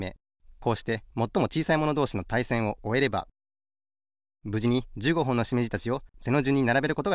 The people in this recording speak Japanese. こうしてもっともちいさいものどうしのたいせんをおえればぶじに１５ほんのしめじたちを背のじゅんにならべることができました。